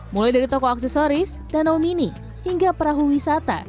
mulai dari toko aksesoris danau mini hingga perahu wisata